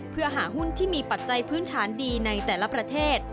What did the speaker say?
เพื่อหาหุ้นที่มีปัจจัยพื้นฐานดีในแต่ละประเทศ